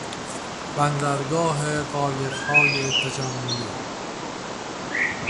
بندرگاه قایقهای تجملی